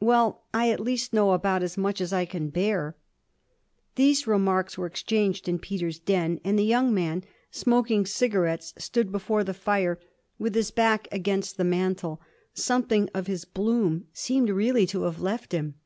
'Well, I at least know about as much as I can bear.' These remarks were exchanged in Peter's den, and the young man, smoking cigarettes, stood before the fire with his back against the mantel. Something of his bloom seemed really to have left him.